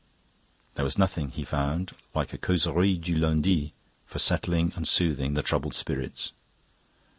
There was nothing, he found, like a Causerie du Lundi for settling and soothing the troubled spirits.